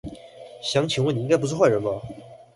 想請問你應該不是壞人吧